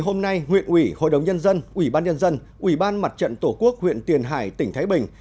hôm nay huyện ủy hội đồng nhân dân ủy ban nhân dân ủy ban mặt trận tổ quốc huyện tiền hải tỉnh thái bình